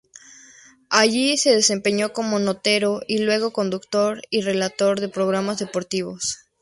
Allí se desempeñó como notero, y luego conductor y relator de programas deportivos.